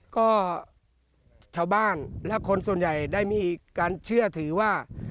ก็ชาวบ้านและคนส่วนใหญ่ได้มีการเชื่อถือว่า